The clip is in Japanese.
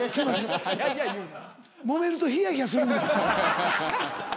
もめるとひやひやするんです。